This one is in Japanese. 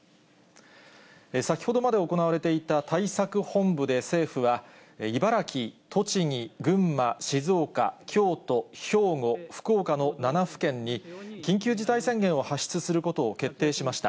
先ほどまで行われていた対策本部で政府は、茨城、栃木、群馬、静岡、京都、兵庫、福岡の７府県に、緊急事態宣言を発出することを決定しました。